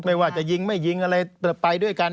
ไม่ว่าจะยิงไม่ยิงอะไรไปด้วยกัน